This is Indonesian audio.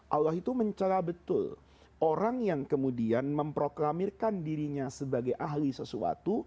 allah itu mencelah betul orang yang kemudian memproklamirkan dirinya sebagai ahli sesuatu